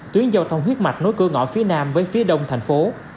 tuyến giao thông huyết mạch nối cửa ngõ phía nam với phía đông thành phố